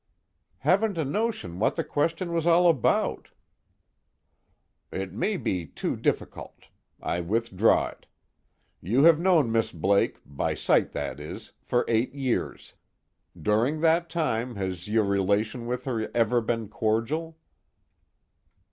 "Haven't a notion what the question was all about." "It may be too difficult. I withdraw it. You have known Miss Blake, by sight that is, for eight years. During that time, has your relation with her ever been cordial?"